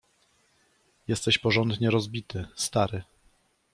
„Jesteś porządnie rozbity, stary.